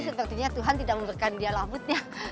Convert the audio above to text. tapi sepertinya tuhan tidak memberikan dia rambutnya